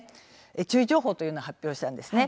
注意情報を発表したんですね。